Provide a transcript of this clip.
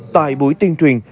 tại buổi tuyên truyền